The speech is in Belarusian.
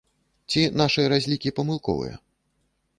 Ці нашыя разлікі памылковыя?